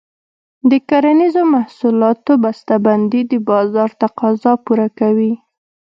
د کرنیزو محصولاتو بسته بندي د بازار تقاضا پوره کوي.